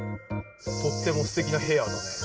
とってもすてきなヘアだね。